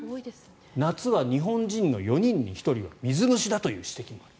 夏は日本人の４人に１人は水虫だという指摘がある。